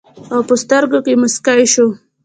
او پۀ سترګو کښې مسکے شو